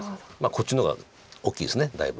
こっちの方が大きいですだいぶ。